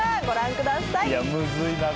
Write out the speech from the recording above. ご覧ください。